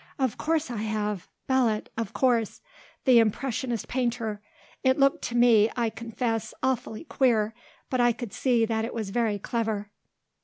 "Of course I have. Belot of course. The impressionist painter. It looked to me, I confess, awfully queer; but I could see that it was very clever."